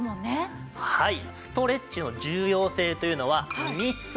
はい。